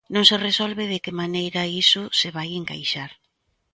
Non se resolve de que maneira iso se vai encaixar.